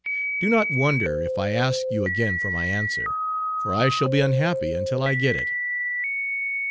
Do not wonder if I ask you again for my answer, for I shall be unhappy until I get it."